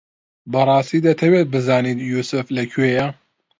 بەڕاستی دەتەوێت بزانیت یووسف لەکوێیە؟